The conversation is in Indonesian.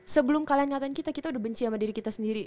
sebelum kalian ngatain kita kita udah benci sama diri kita sendiri